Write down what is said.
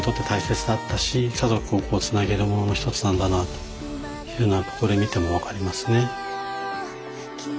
というのはこれ見ても分かりますね。